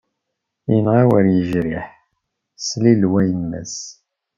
Yenɣa wer yejriḥ, slilew a yemma-s.